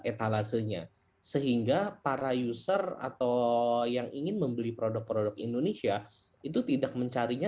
etalasenya sehingga para user atau yang ingin membeli produk produk indonesia itu tidak mencarinya